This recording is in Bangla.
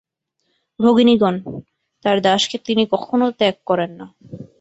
ভগিনীগণ! তাঁর দাসকে তিনি কখনও ত্যাগ করেন না।